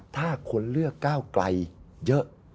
ถ้าคนเลือกก้าวไกลเยอะ